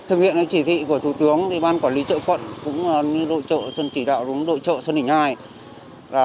thực hiện chỉ thị của thủ tướng thì ban quản lý chợ quận cũng như đội chợ xuân chỉ đạo đúng đội chợ xuân đình ii